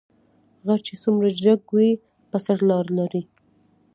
غر چې څومره جګ وي په سر لار لري